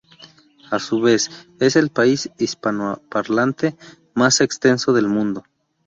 A su vez, es el país hispanoparlante más extenso del mundo.